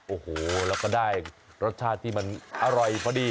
โอ้โหแล้วก็ได้รสชาติที่มันอร่อยพอดี